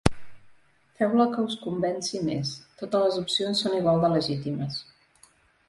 Feu el que us convenci més: totes les opcions són igual de legítimes.